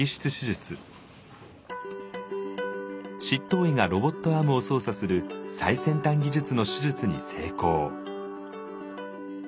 執刀医がロボットアームを操作する最先端技術の手術に成功。